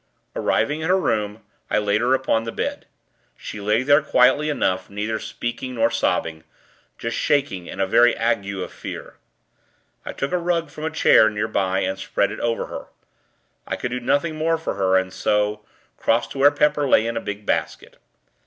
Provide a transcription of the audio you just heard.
Arriving at her room, I laid her upon the bed. She lay there quietly enough, neither speaking nor sobbing just shaking in a very ague of fear. I took a rug from a chair near by, and spread it over her. I could do nothing more for her, and so, crossed to where Pepper lay in a big basket.